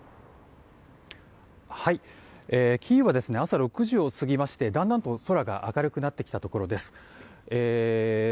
キーウは朝６時を過ぎましてだんだんと、空が明るくなってきたところです。